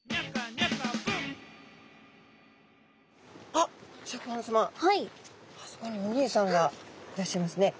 あそこにおにいさんがいらっしゃいますね。